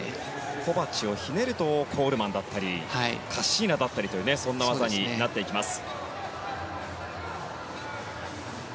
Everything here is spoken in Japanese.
コバチをひねるとコールマンだったりカッシーナだったりという技になってきます。